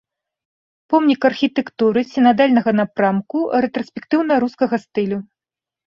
Помнік архітэктуры сінадальнага напрамку рэтраспектыўна-рускага стылю.